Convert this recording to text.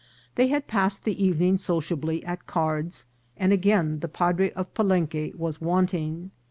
They had passed the evening sociably at cards, and again the padre of Palenque was wanting.